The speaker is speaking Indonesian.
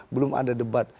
belum ada debat